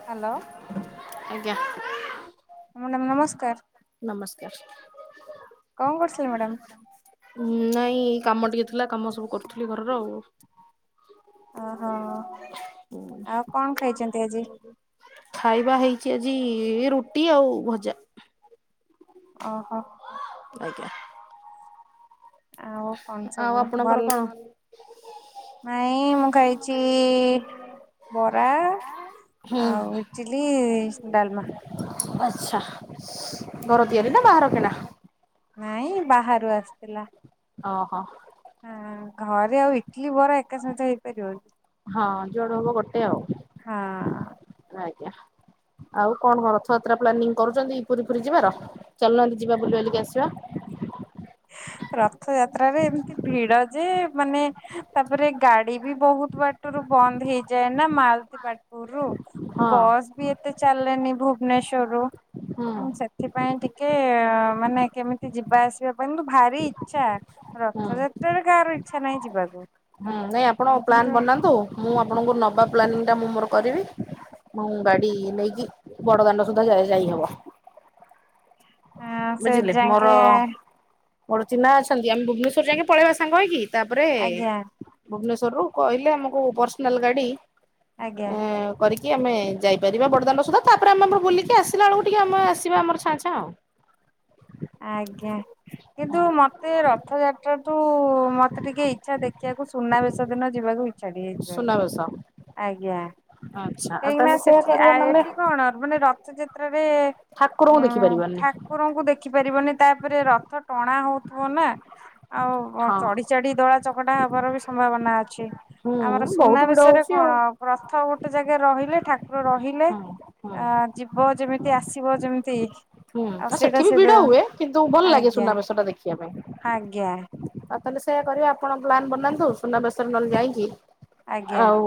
Hello ଆଜ୍ଞା madam ନମସ୍କାର। କଣ କରୁଥିଲେ ମ୍ୟାଡ଼ାମ ନମସ୍କାର ନାଇଁ କାମ ଟିକେ ଥିଲା କାମ ସବୁ କରୁଥିଲି ଘରର ଆଉ। ଓହୋ ଆଉ କଣ ଖାଇଚନ୍ତି ଆଜି? ଖାଇବା ହେଇଛି ଆଜି ରୁଟି ଆଉ ଭଜା। ଓହୋ ଆଜ୍ଞା ଆଉ କଣ ଆଉ ସବୁ ଆପଣଙ୍କର ଭଲ୍ କଣ? ନାଇଁ ମୁଁ ଖାଇଚି ବରା ହୁଁ ଆଉ ଇଟିଲି, ଡାଲମା। ଆଚ୍ଛା, ଘର ହୁଁ ତିଆରି ନା ବାହାର କିଣା? ନାଇଁ ବାହାରୁ ଆସିଥିଲା। ଓହୋ ହଁ, ଘରେ ଆଉ ଇଟଲିି ବରା ଏକା ସହିତ ହେଇପାରିବ କି? ହଁ, ଯୁଆଡୁ ହବ ଗୋଟେ ହଁ ଆଉ ଆଜ୍ଞା। ଆଉ କଣ ହ ରଥଯାତ୍ରା ପ୍ଲାନିଂ କରୁଚନ୍ତି ପୁରୀ ଫୁରୀ ଯିବାର। ଚାଲୁନାହାନ୍ତି ଯିବା ବୁଲି ବାଲିକି ଆସିବା। ରଥଯାତ୍ରାରେ ଏମିତି ଭିଡ ଯେ ମାନେ। ତାପରେ ଗାଡି ବି ବହୁତ ବାଟରୁ ବନ୍ଦ ହେଇଯାଏ ନା ମାଲତିପାଟପୁରୁୁ। ହଁ ବସ୍ ବି ଏତେ ଚାଲେନି ଭୁବନେଶ୍ଵରରୁୁ ହୁଁ ଆଉ ସେ ସେଥିପାଇଁ ଟିକେ ମାନେ କେମିତି ଯିବା ଆସିବାକୁ କିନ୍ତୁ ଭାରି ଇଚ୍ଛା ହୁଁ। ରଥଯାତ୍ରାରେ କାହାର ଇଚ୍ଛା ନାହିଁ ଯିବାକୁ। ହୁଁ ନାଇଁ ଆପଣ ହଁ ପ୍ଲାନ୍ କିନ୍ତୁ ବନାନ୍ତୁ, ମୁଁ ଆପଣଙ୍କୁ ନବା ପ୍ଲାନିଂ ଟା ମୁଁ ମୋର କରିବି। ମୋଉଁ ଗାଡି ନେଇକି ବଡଦାଣ୍ଡ ସୁଦ୍ଧା ଯା-ଯାଇ ହବ। [unintelligible] ସେ ବୁଝିଲେ ମୋର ଯାଙ୍କେ ମୋର ଚିହ୍ନା ଅଛନ୍ତି ଆମେ ଭୁବନେଶ୍ଵର ଯାଇକି ପଳେଇବା ସାଙ୍ଗ ହେଇକି ତାପରେ ଆଜ୍ଞା ଭୁବନେଶ୍ୱରରୁୁ କହିଲେ ଆମକୁ ପର୍ସନାଲ୍ ଗାଡି ଆଜ୍ଞା ଏଁ କରିକି ଆମେ ଯାଇପାରିବା ବଡଦାଣ୍ଡ ସୁଦ୍ଧା ତାପରେ ଆମେ ଆମର ବୁଲିକି ଆସିଲା ବେଳକୁ ଟିକେ ଆମେ ଆସିବା ଆମର ଛାଁ-ଛାଁ ଆଉ। ଆଜ୍ଞା କିନ୍ତୁ ଆଉ ମତେ ରଥଯାତ୍ରାଠୁ ମତେ ଟିକେ ଇଚ୍ଛା ଦେଖିବାକୁ ସୁନାବେଶ ଦିନ ଯିବାକୁ ଇ [unintelligible] ସୁନାବେଶ ଆଜ୍ଞା ଆଚ୍ଛା ଆଉ କାହିଁକି ନା ତାହେଲେ ସେଇଆ ସେଠି ଆ କରିବା ନହେଲେ ଏଠି କଣ ମାନେ ରଥଯାତ୍ରାରେ ଠାକୁରଙ୍କୁ ହଁ ହଁ ଦେଖିପାରିବାନି ହାକ୍ ଠାକୁରଙ୍କୁ ଦେଖି ପାରିବନି, ତାପରେ ରଥ ଟଣା ହଉଥିବ ନା। ଆଉ ହଁ ଚଢ଼ି ଚାଡ଼ି ଦୋଳା ଚକଟା ହବାର ବି ସମ୍ଭାବନା ଅଛି। ହୁଁ ଆମର ବହୁତ ସୁନା ଭିଡ ବେଶରେ ହଉଛି କଣ ଆଉ ରଥ ଗୋଟେ ଜାଗାରେ ରହିଲେ, ଠାକୁର ରହିଲେ ହଁ ହଁ। ଆ ଯି ହଁ, ଯେମିତି ଆସିବ ଯେମିତି ହୁଁ, ଆଉ ହଁ ସେଇଟା ସେଠି ବି ସେ ଭିଡ ହୁଏ। କିନ୍ତୁ ଭଲ ଲାଗେ ଆଜ୍ଞା ସୁନାବେଶ ଟା ଦେଖିବା ପାଇଁ। ଆଜ୍ଞା ଆଉ ତାଏଲେ ସେୟା କରିବା ଆପଣ ପ୍ଲାନ୍ ବନାନ୍ତୁ, ସୁନାବେଶ ନଏଲେ ଯାଇକି ଆଜ୍ଞା ଆଉ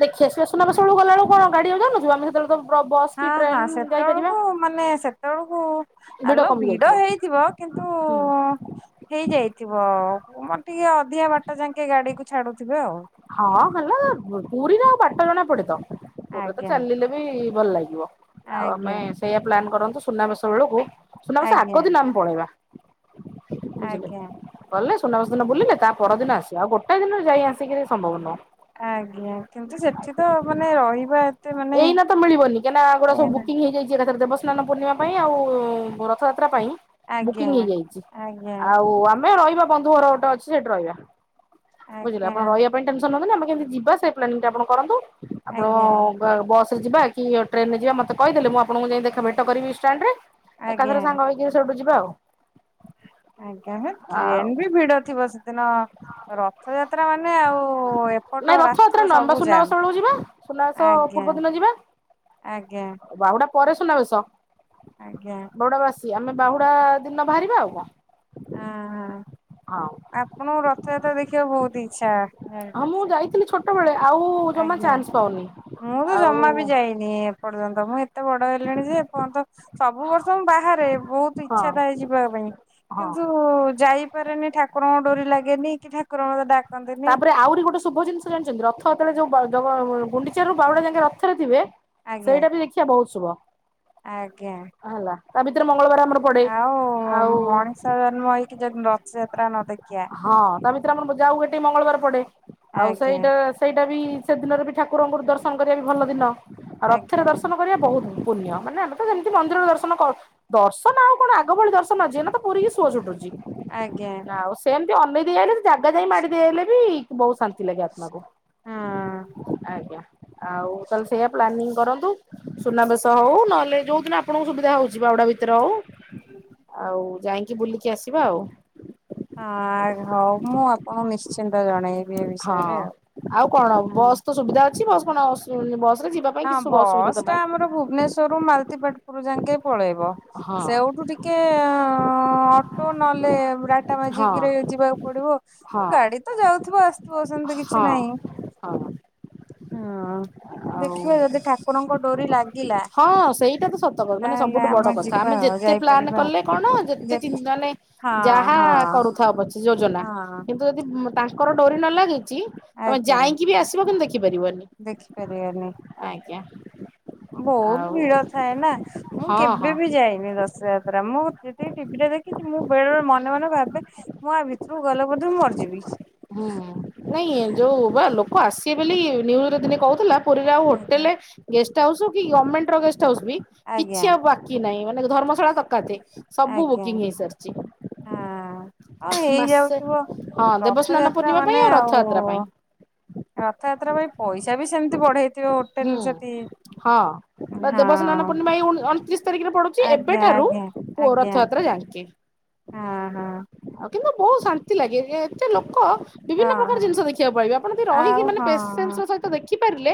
ଦେଖି ଆସିବା ସୁନା ବେଶ ବେଳୁକୁ ଗଲାବେଳକୁ କଣ ଗାଡି ଆଉ ଯାଉ ନଥିବ ଆମେ ସେତେବେଳେ ତ ବସ୍ ହଁ, କି ହଁ, ଟ୍ରେନ ଯାଇପାରିବା। ସେତେବେଳକୁ ମାନେ ସେତେବେଳକୁ ଆଲୋ କମି ଭିଡ ଯାଇଥିବ ହେଇଥିବ କିନ୍ତୁ ହୁଁ ହେଇଯାଇଥିବ ମୋର ଟିକେ ଅଧିକା ବାଟ ଯାକେ ଗାଡି କୁ ଛାଡୁଥିବେ ଆଉ। ହଁ, ହେଲା ପୁରୀରେ ଆଉ ବାଟ ଜଣା ପଡେ ତ, ପୁରୀରେ ତ ଆଜ୍ଞା ଚାଲିଲେ ବି ଭଲ ଲାଗିବ ଆଉ ଆମେ ଆଜ୍ଞା ସେଇୟଆ ପ୍ଲାନ୍ କରନ୍ତୁ ସୁନାବେଶ ବେଳକୁ ସୁନା ବେଶ ଆଜ୍ଞା ଆଗ ଦିନ ଆମେ ପଳେଇବା ବୁଝିଲେ ଆଜ୍ଞା ଗଲେ ସୁନା ବସନା ବୁଲିଲେ ତା ପରଦିନ ଆସିବେ ଆଉ ଗୋଟାଏ ଦିନ ଯାଇ ଆସିକିରି ସମ୍ଭବନ ନ ଆଜ୍ଞା କିନ୍ତୁ ସେଠି ତ ମାନେ ରହିବା ଏତେ ମାନେ ଏଇନା ତ ମିଳନ କାହିଁକନା ଗୋଟ ଏ ସବୁ ନା ବୁକିଂଇଯାଇଛି ଏକଥରେ ଦେବ ସ୍ନାନ ପୂର୍ଣ୍ଣିମା ପାଇଁ ଆଉ ରଥଯାତ୍ରା ପାଇଁ ବୁକିଂ ଆଜ୍ଞା। ହେଇଯାଇଛି ଆଜ୍ଞା ଆଉ ଆମେ ରହିବା ବନ୍ଧୁ ଘର ଗୋଟେ ଅଛି ସେଠି ରହିବା ବୁଝିଲେ ଆଜ୍ଞା ଆପଣ ରହିବା ପାଇଁ ଟେଂସନ୍ ନି ଆମେ କେମିତି ଯିବା ସେ ପ୍ଲାନ୍ ଆପଣ କରନ୍ତୁ ଆପଣ ଆଜ୍ଞା ଆଉ ବସରେ ଯିବା କି ଟ୍ରେନ ରେ ଯିବା ମତେ କହିଦେଲେ ମୁଁ ଆପଣଙ୍କୁ ଯାଇ ଦେଖା ଭେଟ କରିବି ଷ୍ଟାଣ୍ଡ ରେ ଆଜ୍ଞା ଏକାଥରେ ସାଙ୍ଗ ହେଇକିରି ସେଉଠୁ ଯିବା ଆଉ ଆଜ୍ଞା ଆଉ ଟ୍ରେନ ବି ଭିଡ଼ ଥିବ ସେଦିନ ରଥଯାତ୍ରା ମାନେ ଆଉ ଏପଟ ନାଇଁ ରଥଯାତ୍ରା ରାସ୍ତା ନୁହଁ ଆମେ ସବୁ ସୁନାବେଶ ଯାମ୍ ବେଳକୁ ଯିବା ସୁନାବେଶ ପୂର୍ବ ଦିନ ଯିବା ଆଜ୍ଞା ବାହୁୁଡା ପରେ ସୁନାବେଶ ଆଜ୍ଞା ବାଉଡ଼ାବାସୀ ଆମେ ବାହୁଡ଼ା ଦିନ ବାହାରିବା ଆଉ କଣ ହଁ ହଁ ହଁ ଆପଣଙ୍କୁ ରଥଯାତ୍ରା ଦେଖିବାକୁ ବହୁତ ଇଚ୍ଛା ହଁ ମୁଁ ଜାଣିପାରୁଚି ଯାଇଥିଲି ଛୋଟବେେଳେ ଆଉ ଜମା ଆଜ୍ଞା। ଚାନ୍ସ ପାଉନି ମୁଁ ତ ଆଉ ଜମା ବି ଯାଇନି ଏପର୍ଯ୍ୟନ୍ତ ମୁଁ ଏତେ ବଡ ହେଲିଣି ଯେ ଏପର୍ଯ୍ୟନ୍ତ ସବୁ ବର୍ଷ ମୁଁ ବାହାରେ ବହୁତ ହଁ ଇଚଛା ଥାଏ ଯିବା ପାଇଁ ହଁ। କିନ୍ତୁ ଯାଇପାରେନି ଠାକୁରଙ୍କ ଡୋରି ଲାଗେନି କି ଠାକୁର ମତେ ଡାକନ୍ତି ତାପରେ ଆହୁରି ଗୋଟେ ଶୁଭ ଜିନିଷ ଜାଣିଛନ୍ତି ରଥ ଯେତେବେଳେ ଯୋଉ ଗୁଣ୍ଡିଚା ରୁ ବାଉୁଡା ଯାକେ ରଥରେଥିବେ ଆଜ୍ଞା ସେଇଟା ବି ଦେଖିବ ବହୁତ ଶୁଭ ଆଜ୍ଞା ହେଲା ତା ଭିତରେ ମଙ୍ଗଳବାର ଆମର ପଡେ। ଆଉ ଆଉ ମଣିଷ ଜନ୍ମ ହେଇକି ଯଦି ରଥଯାତ୍ରା ନ ଦେଖିିବା ହଁ ତା ଭିତରେ ଆମର ଯାଉ ଏଠି ମଙ୍ଗଳବାର ପଡେ ଆଉ ଆଜ୍ଞା। ସେଇଟା ସେଇଟା ବି ସେଦିନରେ ବି ଠାକୁରଙ୍କୁର ଦର୍ଶନ କରିବା ବି ଭଲ ଦିନ ଆଉ ରଥରେ ଆଜ୍ଞା ଦର୍ଶନ କରିବା ବହୁତ ପୁଣ୍ୟ ମାନେ ତ ଯେମିତି ମନ୍ଦିର ଦର୍ଶନ କର ଦର୍ଶନ ଆଉ କଣ ଆଗ ଭଳି ଦର୍ଶନ ଯିଏ ପୁରୀ କି ଶୁଅ ଛୁଟୁଛି ଆଜ୍ଞା ନାଉ ସେ ଏମିତି ଅନେଇ ଦେଇିଆଈଲେ ସେ ଜାଗା ଯାଇ ମାଡି ଦେଇଆହଲେ ବି ବହୁତ ଶାନ୍ତି ଲାଗେ ଆତ୍ମାକୁ ହଁ। ଆଜ୍ଞା ଆଉ ତାହେଲେ ସେଇଆା ପ୍ଲାନିଂ କରନ୍ତୁ ସୁନାବେେଶ ହଉ ନହେଲେ ଯୋଉ ଦିନ ଆପଣଙ୍କ ସୁବିଧା ହଉଛି ବାଉୁଡା ଭି ଦ୍ରଉ ଆଉ ଯାଇକି ବୁଲିକି ଆସିବା ଆଉ ଆ ହଉ ମୁଁ ଆପଣ ନିଶ୍ଚିନ୍ତ ଜଣେଇବି ଏ ହଁ ବିଷୟରେ ଆଉ କଣ ହଁ। ବସ୍ ତ ସୁବିଧା ଅଛି ବସ୍ କଣ ବସ ରେ ଯିବା ପାଇଁ ହଁ କିଛି ଅସୁବିଧା ବସ୍ ତ ଟା ନାହିଁ। ଆମର ଭୁବନେଶ୍ୱରରୁ ମାଳତୀ ପାଟ୍ପୁର ଯାକେ ପଳେଇବ ହଁ ସେଇଉଠୁ ଟିକେ ଓଁ ଅଟୋ ନଲେ ଟାଟା ହଁ ମେଝିକି ରେ ଯିବାକୁ ପଡିବ ହଁ ଗାଡି ତ ଯାଉଥିବ ଆସୁଥିବ ସେତି କିଛି ହଁ ନହିଁ ହଁ ହଁ ଆଉ ଦେଖିବା ଯଦି ଠାକୁରଙ୍କ ଡୋରି ଲାଗିଲା ହଁ ସେଇଟା ତ ସତ କଥା ମାନେ ତାହେଲେ ସବୁଠୁ ବଡ କଥା ଯିବା ଆମେ ଯେ ଆଉ ଏତେ ପ୍ଲାାନ ଯାଇପାରିବା। କଲେ କଣ ଯେତେ ଯେ ଚିନ୍ତା ନାଇ ହଁ ଯାହା ହଁ କରୁଥା ପଛେ ଯୋଜନା ହଁ ଯଦି ତାଙ୍କର ଡୋରି ନ ଲାଗିଛି ତମେ ଆଜ୍ଞା ଯାଇକି ବି ଆସିବ କିନ୍ତୁ ଦେଖିପାରିବନି ଦେଖିପାରିବାନି। ଆଜ୍ଞା ବହୁତ ଆଉ ଭିଡ ଥାଏ ନା ମୁଁ ହଁ ହଁ କେବେ ବି ଯାଇନି ର ଯାତ୍ରା ମୁଁ ଯେତିକି ଟିଭି ରେ ଦେଖିଛି ମୁଁ ବେଳେଳେ ମନେ ମନେ ଭାବେ ମୁଁ ଆ ଭିତରକୁ ଗଲେ ବଧେ ମରି ଯିବି। ହୁଁ ନାଇଁ ଯୋଉ ବା ଲୋକ ଆସିବେ ବୋଲି ନିୟୁଜରେ ଦିନେ କହୁଥିଲା। ପୁରୀ ଆଉ ଆଜ୍ଞା ହୋଟେଲ ଗେଷ୍ଟ ହାଉସ ଗମେଣ୍ଟ ର ଗେଷ୍ଟ ହାଉସ ବି ଆଜ୍ଞା କିଛି ଆଉ ବା କି ନାଇଁ ମାନେ ଧର୍ମଶାଳା କାଥ ଆଜ୍ଞା ହଁ ଆ ମାସେ ହେଇଯାଉଥିବ। ହଁ ଦେବସ୍ନାନ ରଥଯାତ୍ରା ପୂର୍ଣ୍ଣିମା ପାଇଁ ମାନେ ଆଉ ରଥଯାତ୍ରା ପାଇଁ। ରଥଯାତ୍ରା ପାଇଁ ପଇସା ବି ସେମତି ବଢେଇ ହୁଁ ହଁ ବା ହଁ। ଦେବସ୍ନାନ ପୂର୍ଣ୍ଣିମା ଏଇ ଅଣତିରିଶ ତାରିଖରେ ପଡୁଛି ଆଜ୍ଞା ଆଜ୍ଞା ଏବେଠାରୁଅ ଆଜ୍ଞା ରଥଯାତ୍ରା ଯାଣିଛି ହଁ ହଁ ଆଉ କିନ୍ତୁ ବହୁତ ଶାନ୍ତି ଲାଗେ ଏତେ ଲୋକ ବିଭିନ୍ନ ହଁ ପ୍ରକାର ହଁ। ଜିନିଷ ଦେଖିବାକୁ ପାଇବେେ ଆପଣ ଯଦି ଆଉ ରହିକି ମାନେ ହଁ ପେସେନ୍ସ ର ସହିତ ଦେଖିପାରିଲେ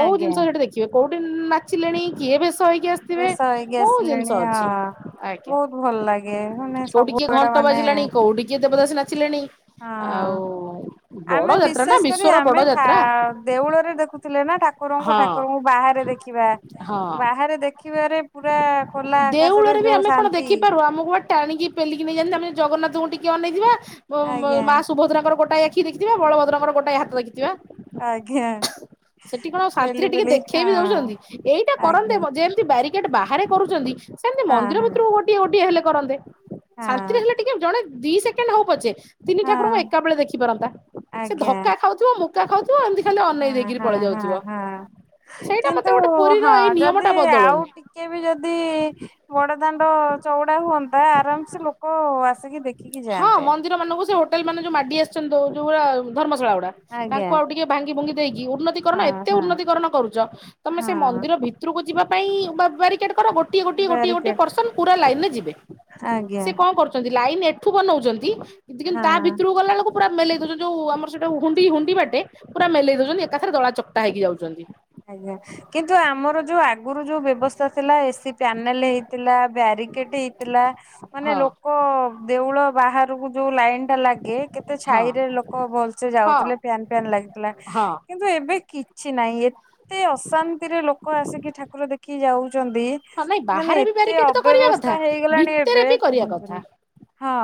ବହୁତ ଆଜ୍ଞା ଜିନିଷ ଦେଖିବେ କୋଉଠି ନାଚିଲେଣି କିଏ ବେଶ ହେଇକି ଆସିଥିବେ ବେଶ ହେଇକି ବହୁତ ଜିନିଷ ଆସିଲେଣି ଅଛି। ହଁ। ଆଜ୍ଞା ବହୁତ ଭଲ ଲାଗେ ମାନେ କୋଉଠି କିଏ ସବୁଆଡେ ଘଣ୍ଟ ମାନେ ବାଜିଲାଣି କୋଉଠି କିଏ ଦେବଦାସୀ ନାଚିଲେଣି। ଆଉ ହଁ। ଆମେ ବଡ ଯାତ୍ରା ନା ବିଶେଷ କରି ବିଶ୍ଵର ଆମେ ବଡ ଠା ଯାତ୍ରା। ଦେଉଳରେ ଦେଖୁଥିଲେ ନା ଠାକୁରଙ୍କୁ ହଁ ଠାକୁରଙ୍କୁ ବାହାରେ ଦେଖିବା। ହଁ ବାହାରେ ଦେଖିବରେ ପୁରା ଖୋଲା ଆକାଶରେ ଦେଉଳରେ ବି ଯଉ ଆମେ ଶା କଣ ଦେଖିପାରୁ ଆମକୁ ଟାଣିକି ପେଲିକି ନେଇଯାନ୍ତି ଆମେ ଜଗନ୍ନାଥଙ୍କୁ ଟିକେ ଅନେଇଥିବ ଆଜ୍ଞା। ମା ସୁଭଦ୍ରାଙ୍କର ଗୋଟା କି ଦେଖିଥିବା ବଳଭଦ୍ରକର ଗୋଟା ଏ ହାତ ଦେଖିଥିବା ଆଜ୍ଞା। ସେଠି କଣ ପେଲି ଶାନ୍ତିରେ ଟିକେ ପେଲି ଦେଖେଇ ବିି ହଁ ଦଉଛନ୍ତି ଏଇଟା କରନ୍ତେ ଆଜ୍ଞା ଯେମିତି ବ୍ୟାରିକେଡ ବାହାରେ କରୁଛନ୍ତି। ସେମିତି ହଁ ମନ୍ଦିର ହଁ। ଭିତରକୁ ଗୋଟିଏ ଗୋଟିଏ ହେଲେ କରନ୍ତେ ଶାନ୍ତିରେ ହଁ ହେଲେ ଟିକେ ଜଣେ ଦି ସେ ହଉ ପଛେ ତିନି ଠାକୁରଙ୍କୁ ହଁ ଏକା ବଳେ ଦେଖି ପାରନ୍ତା ସେ ଆଜ୍ଞା ଧକ୍କା ଖାଉଥିବ ମୁକା ଖାଉଥିବ ଏମିତି ଖାଲି େଇ ହଁ ଦେଇକରି ହଁ ପଳେଇ ହଁ ଯାଉଥିବ ହଁ। ସେଇଟା କିନ୍ତୁ ମତେ ଗୋଟେ ପୁରୀର ହଁ ଏଇ ନିୟମ ଯଦି ଟା ଆଉ ବଦଳଉନି। ଟିକେ ବି ଯଦି ବଡ ଦାଣ୍ଡ ଚଉଡା ହୁଅନ୍ତା ଆରାମସେ ଲୋକ କ ଆସିକି ଦେଖିକି ଯାଆନ୍ତେ? ମାନ ସେ ହୋଟେଲ ମାନ ଯୋଉ ମାଡି ଆସିଛନ୍ତି ଯୋ ଯୋଉୁରା ଧର୍ମଶାଳା ବା ଆଜ୍ଞା ତାଙ୍କୁ ଆଉ ଟିକେ ଭାଙ୍ଗି ଭୁଙ୍ଗି ଦେଇକି ଉନ୍ନତିକରଣ ହଁ ଏତେ ହଁ ଉନ୍ନତିକରଣ କରୁଛ ତମେ ସେ ହଁ ମନ୍ଦିର ଭିତ ତରକୁ ଯିବା ପାଇଁ ବବା ବ୍ୟାରିକେଟ କର ଗ ଗୋଟିଏ ଗୋଟିଏ ଗୋଟିଏ ବ୍ୟାରିକେଟ ପର୍ସନ୍ ପୁରା ଲାଇନ ରେ ଯିବେ ଆଜ୍ଞା ସେ କଣ କରୁଛନ୍ତି ଲାଇନ ଏ ଠୁ ବନଉଛନ୍ତି କିନ୍ତୁ କିନ୍ତୁ ହଁ ତା ଭିତରୁକୁ ଗଲାବେଳ ପୁରା ମେଲେଇ ଦଉଛନ୍ତି ଯୋଉ ଆମର ସେଟ ହୁଣ୍ଡି ହୁଣ୍ଡି ବାଟେ ପୁରା ମେଲେଇ ଦଉଛନ୍ତି ଏକାଥରେ ଦଳା ଚକ୍ଟା ହେଇକି ଯାଉଛନ୍ତି। ଆଜ୍ଞା କିନ୍ତୁ ଆମର ଯୋଉ ଆଗରୁ ଯୋଉ ବ୍ୟବସ୍ଥା ଥିଲା ଏସି ପ୍ୟାନେଲ ହେଇ ବ୍ୟାରିକେଟ ହେଇଥିଲା ମାନେ ହଁ ଲୋକ ଦେଉଳ ବାହାରକୁ ଯୋଉ ଲାଇଟ ଟା ଲାଗେ କେତେ ହଁ ଛାଇ ରେ ଲୋକ ଭଲସେ ହଁ ଯାଉଥିଲେ ଫ୍ୟାନ୍ ଫ୍ୟାନ୍ ଲାଗିଥିଲା। ହଁ କିନ୍ତୁ ଏବେ କି ଛି ନାହିଁ ଏତେ ଅଶାନ୍ତିରେ ଲୋକ ଆସିକି ଠାକୁର ଦେଖି ଯାଉଛନ୍ତି। ହଁ ନାଇଁ ମାନେ ବାହାରେ ବି ଏତେ ବ୍ୟାରିକେଟ ତ କରିବା କଥା ଅବ୍ୟବସ୍ଥା ହେଇଗଲାଣି ଭିତରେ ଏବେ ବି କରିବା କଥା। କୁହନ୍ତୁନି। ହଁ।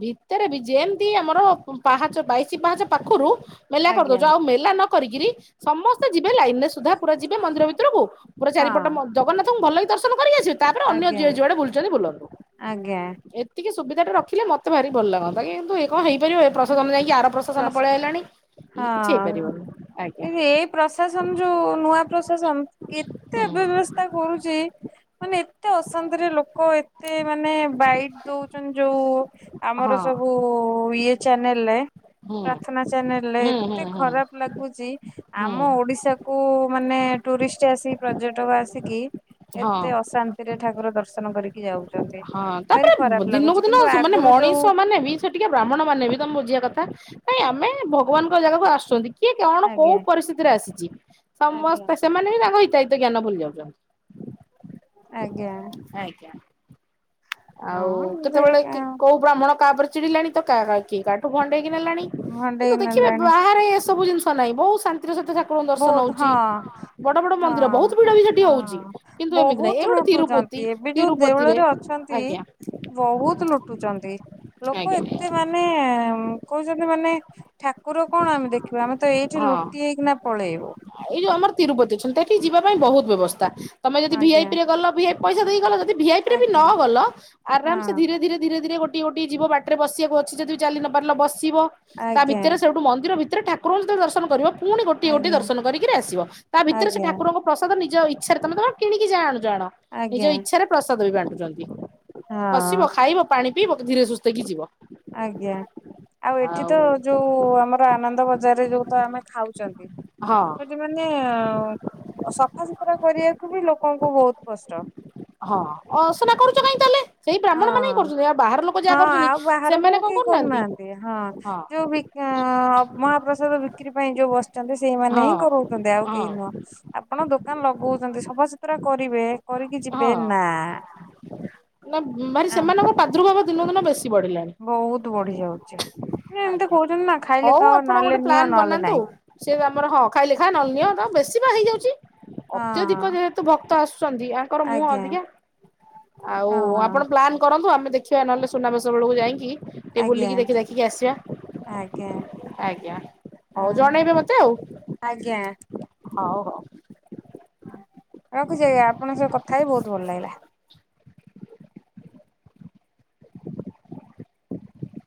ଭିତରେ ବି ଯେମତି ଆମର ପାହାଚ ବାଇଶି ପାହାଚ ପାଖରୁ ମେଲା ଆଜ୍ଞା କରିଦଉଛୁ ଆଉ ମେଲା ନ କରିକିରି ସମସ୍ତେ ଯିବେ ଲାଇନ ରେ ସୁଧା ପୁରା ଯିବେ ମନ୍ଦିର ଭିତରକୁ ପୁରା ହଁ ଚାରିପଟ ମ ଜଗନ୍ନାଥଙ୍କୁ ଭଲ କି ଦର୍ଶନ କରି ଆସି ତାପରେ ଅନ୍ୟ ଆଜ୍ଞା ଯ ଯିଆଡେ ବୁଲୁଛନ୍ତି ବୁଲନ୍ତୃ ଆଜ୍ଞା ଏତିକି ସୁବିଧାଟା ରଖିଲେ ମ ତେ ଭାରି ଭଲ ଲାଗନ୍ତା କିନ୍ତୁ ଇଏ କଣ ହେଇ [inaudible] ପ୍ରଶାସନ ଯାଇକି ଆର ପ୍ରଶାସନ ପ୍ରଶା ପଳେଇ ହେଲାଣି ଇଏ କିଛି ହଁ ହେଇପାରିବନି ଆଜ୍ଞା। ଏଇ ପ୍ରଶାସନ ଯୁ ନୂଆ ପ୍ରଶାସନ ହୁଁ କେତେ ବ୍ୟବସ୍ଥା କରୁଚି ମାନେ ଏତେ ଅଶାନ୍ତିରେ ଲୋକ ଏତେ ମାନେ ବାଇଟ ଦଉଛନ୍ତି ଯଉ ଆମର ହଁ ସବୁ ଇଏ ଚ୍ୟାନେଲ ରେ ହୁଁ ପ୍ରାର୍ଥନା ଚ୍ୟାନେଲରେ ହୁଁ ଏତେ ହୁଁ ହୁଁ ଖରାପ ଲାଗୁଚି ହୁଁ ଆମ ଓଡିଶା କୁ ମାନେ ଟୁରିଷ୍ଟ ଆସିକି ପର୍ଯ୍ୟଟକ ଆସିକି ହଁ। ଏତେ ଅଶା ସେଥିରେ ଠାକୁର ଦର୍ଶନ କରିକି ଯାଉଛନ୍ତି। ହଁ ଭାରି ତାପରେ ଖରାପ ଦିନକୁ ଲାଗୁଛି ଦିନ କିନ୍ତୁ ସେମାନେ ଆଗରୁ ଯୋଉ ମଣିଷ ମାନେ ବି ସେ ଟିକେ ବ୍ରାହ୍ମଣ ମାନେ ବି ତମେ ବୁଝିବା କଥା ନାଇଁ ଆମେ ଭଗବାନଙ୍କ ଜାଗକୁ ଆସୁଛନ୍ତି କିଏ କଣ କୋଉ ଆଜ୍ଞା ପରିସ୍ଥିତିରେ ଆସିଚି ଆଜ୍ଞା। ସମସ୍ତେ ସେମାନେ ବି ତାଙ୍କ ହିତାହିତ ଜ୍ଞାନ ଭୁଲି ଯାଉଛନ୍ତି। ଆଜ୍ଞା। ଆଜ୍ଞା। ଆଉ ହଁ କେତବେଳେ ଦେଖ କି କୋଉ ବ୍ରାହ୍ମଣ କାହାଉପରେ ଚିଡିଲାଣି ତ କା କା କି କାଠାରୁ ଭଣ୍ଡେଇକି ନେଲାଣି। କିନ୍ତୁ ଭଣ୍ଡେଇ ଦେଖିବେ ନେଲାଣି ବାହାରେ ଏସବୁ ଜିନିଷ ନାହିଁ ବହୁତ ଶାନ୍ତିର ସହିତ ଠାକୁରଙ୍କୁ ଦର୍ଶନ ବହୁତ ହଉଚି। ହଁ ବଡ ବଡ ମନ୍ଦିର ବହୁତ ହଁ ଭିଡ ବି ସେଠି ହଉଚି ହଁ କିନ୍ତୁ ଏମିତି ନାଇଁ ଏଇ ବହୁତ ଗୋଟେ ତିରୁପତି ତିରୁପତିରେ ତି ଆଜ୍ଞା ବହୁତ ଲୁଟୁଚନ୍ତି ଲୋକ ଆଜ୍ଞା ଏତେ ମା ନେ କହୁଛନ୍ତି ମାନେ ଠାକୁର କଣ ଆମେ ଦେଖିବା ଆମେ ତ ଏଇଠି ହଁ। ଲୁଟି ହେଇକିନା [inaudible] ଏଇ ଯଉ ଆମର ତିରୁପତି ଅଛନ୍ତି ହେଠି କିି ଯିବା ପାଇଁ ବହୁତ ବ୍ୟବସ୍ଥା ତମେ ଯଦି ଭି ଆଇ ଆଜ୍ଞା। ପି ରେ ଗଲ ଭି ଆଇ ପଇସା ଦେଇ ଗଲ ଯଦି ଭି ଆଇ ପି ରେ ବି ନ ଆଜ୍ଞା ଗଲ ଆରାମ ସେ ହଁ ଧୀରେ ଧୀରେ ଧୀରେ ଧୀରେ ଗୋ [unintelligible] ଯିବ ବାଟରେ ବସିବାକୁ ଅଛି ଯଦି ବି ଚାଲି ନ ପାରିଲା ବସିବ ତା ଆଜ୍ଞା ଭିତରେ ସେଠୁ ମନ୍ଦିର ଭିତରେ ଠାକୁରଙ୍କୁ ଯେତବେଳେ ଦର୍ଶନ କରିବ ପୁଣି ଗୋଟିଏ ଗୋଟିଏ ଆଜ୍ଞା ଦର୍ଶନ କରିକି ଆସିବ ତା ଭିତରେ ସେ ଆଜ୍ଞା ଠାକୁରଙ୍କୁ ପ୍ରସାଦ ନିଜ ଇଚ୍ଛାରେ ତମେ ତମ କିଣିକି ଯା ଆଣୁଚ ଆଣ ନିଜ ଆଜ୍ଞା ଇଚ୍ଛାରେ ପ୍ରସାଦ ବି ବାଣ୍ଟୁଛନ୍ତି। ବସିବ, ହଁ ଖାଇବ, ପାଣି ପିଇବ ଧୀରେ ସୁସ୍ଥେ କି ଯିବ। ଆଜ୍ଞା ଆଉ ଏଠି ତ ଯୋଉ ଆମର ଆନନ୍ଦ ବଜାରରେ ଯୋଉ ତ ଆମେ ଖାଉଛନ୍ତି ହଁ। ସେଠି ମାନେ ସଫାସୁତୁରା କରିବାକୁ ବି ଲୋକଙ୍କୁ ବହୁତ କଷ୍ଟ। ହଁ ଅସନା କରୁଚ କାଇଁ ତାହେଲେ? ସେଇ ବ୍ରାହ୍ମଣ ମାନେ ହିଁ ହଁ। କରୁଛନ୍ତି ଆଉ ବାହାର ଲୋକ ହଁ ଯାହା କରୁଛନ୍ତି ଆଉ ବାହାର ଲୋକ ସେମାନେ କଣ କେହି କରୁନାହାଁନ୍ତି? କରୁନାହାନ୍ତି ହଁ। ଯୋଉ ବି ଆ ମହାପ୍ରସାଦ ବିକ୍ରି ପାଇଁ ଯଉ ବସିଛନ୍ତି ସେଇମାନେ ହିଁ ହଁ କରଉଛନ୍ତି ଆଉ ହଁ କେହି ନୁହଁ। ଆପଣ ଦୋକାନ ଲଗଉଛନ୍ତି ସଫାସୁତୁରା କରିବେ କରିକି ଯିବେ ହଁ ନାଁ ନା ଭାରି ସେମାନଙ୍କ ପ୍ରାଦୁର୍ଭାବ ଦିନକୁ ଦିନ ବେଶୀ ବଢିଲାଣି। ବହୁତ ବଢି ଯାଉଚି ଏମିତି ଆଜ୍ଞା କହୁଛନ୍ତି ନା ଖାଇଲେ ହଉ ଖାଅ ଆପଣ ଗୋଟେ ନହେଲେ ନିଅ ପ୍ଲାନ୍ ନହେଲେ ବନାନ୍ତୁ ନାଇଁ। ସେ ତମର ହଁ ଖାଇଲେ ଖାଆ ନ ହେଲେ ନିଅ ବେଶୀ ବା ହେଇଯାଉଚି ଅତ୍ୟଧିକ ହଁ। ଯେହେ ଭକ୍ତ ଆସୁଛନ୍ତି ଆଙ୍କର ମୁହଁ ଆଜ୍ଞା ଅଧିକା ଆଉ ହଁ ହଁ ଆପଣ ପ୍ଲାନ୍ କରନ୍ତୁ ଆମେ ଦେ ଦେଖିବା ନହେଲେ ସୁନାବେେଶ ବେଳକୁ ଯାଇକି ଟିକେ ଆଜ୍ଞା ବୁଲିକି ଦେଖି ଦେଖିକି ଆସିବା। ଆଜ୍ଞା ଆଜ୍ଞା ହଉ ହଁ, ଜଣେଇବେ ମତେ ଆଉ। ଆଜ୍ଞା। ହଉ ହଉ। ରଖୁଚି ଆଜ୍ଞା ଆପଣଙ୍କ ସହ କଥା ହୋଇ ବହୁତ ଭଲ ଲାଗିଲା।